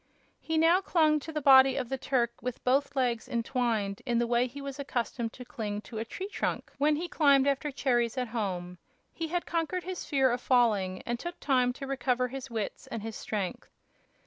He now clung to the body of the Turk with both legs entwined, in the way he was accustomed to cling to a tree trunk when he climbed after cherries at home. He had conquered his fear of falling, and took time to recover his wits and his strength.